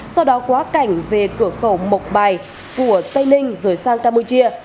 sau đó quá cảnh về cửa khẩu mộc bài của tây ninh rồi sang campuchia